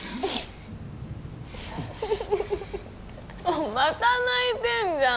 もうまた泣いてんじゃん。